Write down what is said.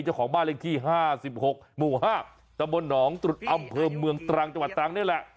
เจ้าของบ้านเลขที่๕๖หมู่๕ตะบนหนองตรุษอำเภอเมืองตรังจังหวัดตรังนี่แหละ